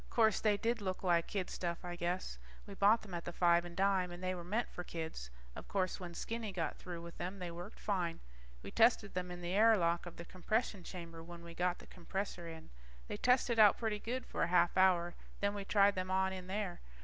Course, they did look like kid stuff, I guess. We bought them at the five and dime, and they were meant for kids. Of course when Skinny got through with them, they worked fine. We tested them in the air lock of the compression chamber when we got the compressor in. They tested out pretty good for a half hour, then we tried them on in there.